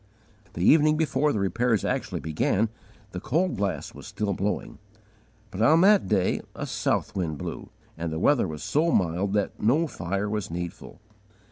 The evening before the repairs actually began, the cold blast was still blowing; but _on that day a south wind blew, and the weather was so mild that no fire was needful!